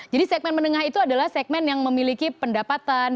jadi segmen menengah itu adalah segmen yang memiliki pendapatan